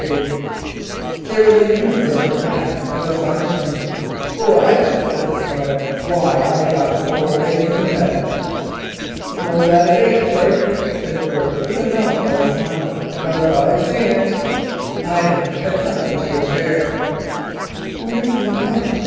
There was a general gasp of astonishment. "What!" exclaimed the Squire. "Why, I thought that the whole thing was a myth." "No, that it ain't, sir," said George with a melancholy smile, "cos I've seen it." Ida had sunk into a chair. "What is the amount?"